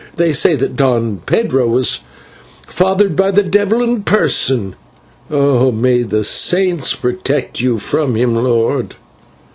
They say that Don Pedro was fathered by the devil in person; may the Saints protect you from him, lord!"